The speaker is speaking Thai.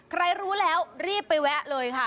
ใครรู้แล้วรีบไปแวะเลยค่ะ